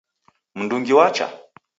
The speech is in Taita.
Mndungi wacha?